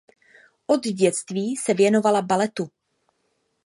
Od dětství se věnovala baletu.